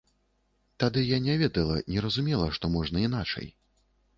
Тады я не ведала, не разумела, што можна іначай.